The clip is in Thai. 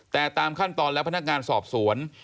แต่ตามขั้นตอนและพนักงานสอบสวน